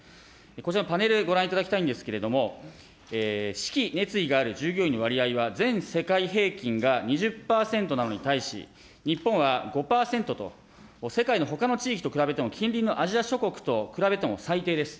こちらのパネル、ご覧いただきたいんですけれども、士気、熱意がある従業員の割合は全世界平均が２０％なのに対し、日本は５％と、世界のほかの地域と比べても近隣のアジア諸国と比べても最低です。